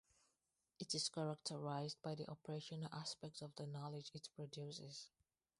It is characterized by the operational aspect of the knowledge it produces.